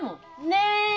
ねえ？